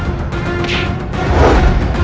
aku akan mencari dia